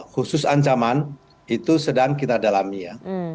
khusus ancaman itu sedang kita dalami ya